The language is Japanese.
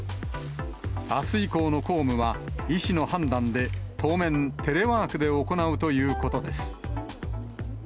あす以降の公務は、医師の判断で当面、テレワークで行うということです。